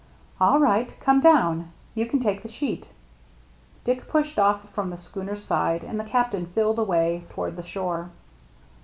" All right, come down. You can take the sheet." Dick pushed ofF from the schooner's side and the Captain filled away toward the shore.